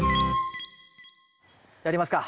やりますか。